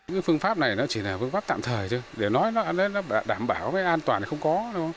cái phương pháp này nó chỉ là phương pháp tạm thời thôi để nói nó đảm bảo cái an toàn không có